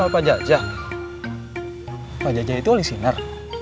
pak jajah itu wali sinar